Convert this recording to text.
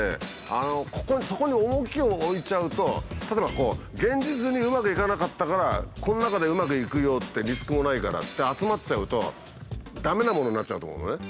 ここにそこに重きを置いちゃうと例えばこう現実にうまくいかなかったからこの中でうまくいくよってリスクもないからって集まっちゃうと駄目なものになっちゃうと思うのね。